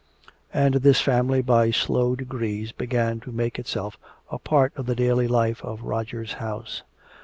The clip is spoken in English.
And this family by slow degrees began to make itself a part of the daily life of Roger's house.